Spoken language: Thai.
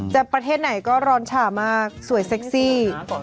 แต่ประเทศไหนก็ร้อนชามากสวยเซ็กซี่